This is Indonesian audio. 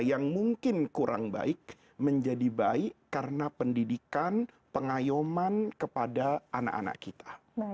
yang mungkin kurang baik menjadi baik karena pendidikan pengayuman kepada anak anak kita